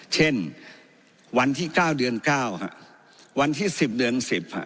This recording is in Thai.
เช่นวันที่๙เดือน๙วันที่๑๐เดือน๑๐